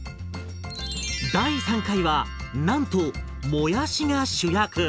第３回はなんともやしが主役！